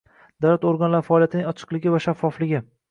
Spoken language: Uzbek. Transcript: davlat organlari faoliyatining ochiqligi va shaffofligi;